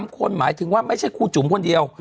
๓คนหมายถึงว่าไม่ใช่ครูจุ๋มคนเดียว